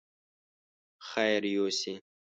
خير يوسې!